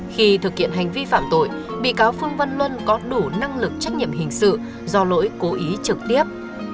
khi thực hiện hành vi phạm tội bị cáo phương văn luân có đủ năng lực trách nhiệm hình sự do lỗi cố ý trực tiếp